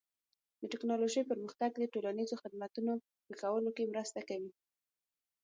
د ټکنالوژۍ پرمختګ د ټولنیزو خدمتونو ښه کولو کې مرسته کوي.